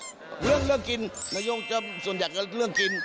เรื่องเรื่องกินนายโย่งจะส่วนใหญ่ก็เรื่องกิน